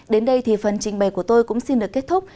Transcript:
đến đây thì phần trình bày của tôi cũng xin được kết thúc